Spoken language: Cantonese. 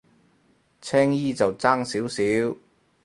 青衣就爭少少